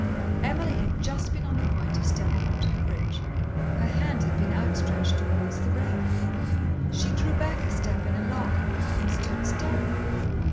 Emily had been just on the point of stepping on to the bridge, her hand had been outstretched towards the rail. She drew back a step in alarm and stood staring.